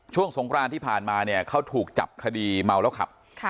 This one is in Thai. สงครานที่ผ่านมาเนี่ยเขาถูกจับคดีเมาแล้วขับ